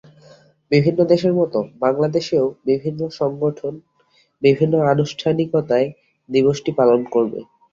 বিভিন্ন দেশের মতো বাংলাদেশেও বিভিন্ন সংগঠন বিভিন্ন আনুষ্ঠানিকতায় দিবসটি পালন করবে।